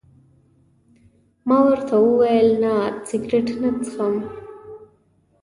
ما ورته وویل: نه، سګرېټ نه څکوم.